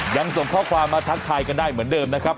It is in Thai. ยังส่งข้อความมาทักทายกันได้เหมือนเดิมนะครับ